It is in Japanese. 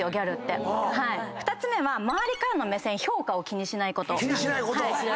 ２つ目は周りからの目線評価を気にしないこと。